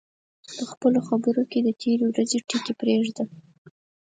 په خپلو خبرو کې د تېرې ورځې ټکي پرېږده